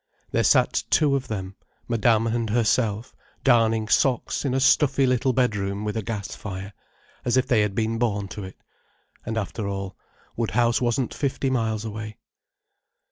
There sat two of them, Madame and herself, darning socks in a stuffy little bedroom with a gas fire, as if they had been born to it. And after all, Woodhouse wasn't fifty miles away.